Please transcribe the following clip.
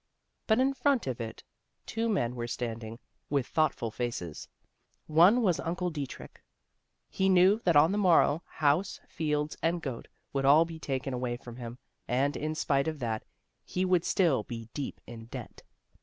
But in front of it two men were standing, with thoughtful faces. One was Uncle Dietrich. He knew that on the morrow house, fields, and goat would all be taken away from him, and in spite of that he would still be deep in debt.